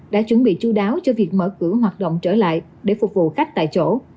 đã chuẩn bị chú đáo cho việc mở cửa hoạt động trở lại để phục vụ khách tại chỗ